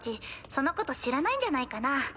そのこと知らないんじゃないかな？